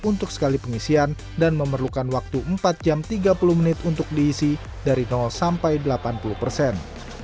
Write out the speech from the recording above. untuk sekali pengisian dan memerlukan waktu empat jam tiga puluh menit untuk diisi dari sampai delapan puluh persen